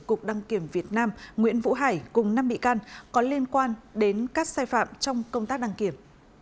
cục đăng kiểm việt nam nguyễn vũ hải cùng năm bị can có liên quan đến các sai phạm trong công tác đăng kiểm